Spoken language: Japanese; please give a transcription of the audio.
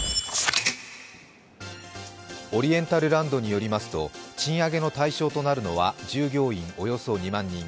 オリエンタルランドによりますと賃上げの対象となるのは従業員およそ２万人。